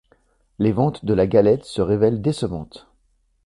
Les ventes de la galette se révèlent décevantes.